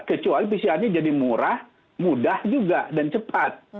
kecuali pcr nya jadi murah mudah juga dan cepat